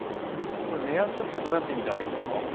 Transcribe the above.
これ目安ってどうやって見たらいいんですか？